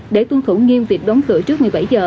để tuân thủ nghiêm việc đóng cửa trước một mươi bảy giờ